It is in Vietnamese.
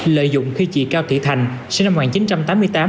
lợi dụng khi chị cao thị thành sinh năm một nghìn chín trăm tám mươi tám